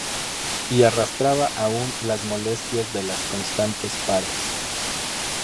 Y arrastraba aún las molestias de las constantes paras.